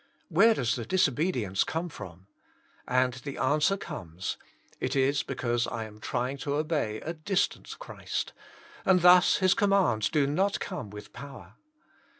Where does the disobedience come from? And the answer comes, It is because I am trying to obey a distant Christ, and thus His commands do not come with power.